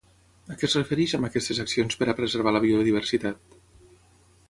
A què es refereix amb aquestes accions per a preservar la biodiversitat?